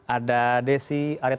ada desi aritabai